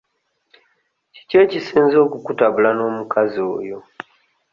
Kiki ekisinze okukutabula n'omukazi oyo?